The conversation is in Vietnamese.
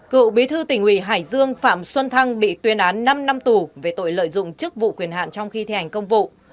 cựu bí thư tỉnh ủy hải dương phạm xuân thăng bị tuyên án năm năm tù về tội lợi dụng chức vụ quyền hạn trong khi thi hành công vụ